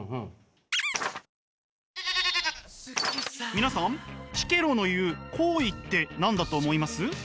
皆さんキケロの言う「好意」って何だと思います？